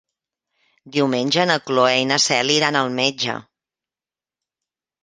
Diumenge na Cloè i na Cel iran al metge.